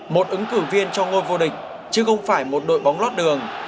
một ứng cử viên cho ngôi vô địch chứ không phải một đội bóng lót đường